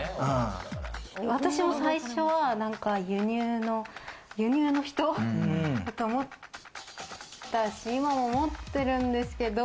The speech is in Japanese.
私も最初は、輸入の人だと思ったし、今も思ってるんですけど。